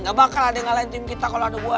gak bakal ada yang ngalahin tim kita kalau ada gue